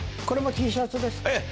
これもＴシャツですか？